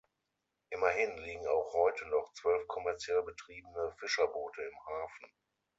Immerhin liegen auch heute noch zwölf kommerziell betriebene Fischerboote im Hafen.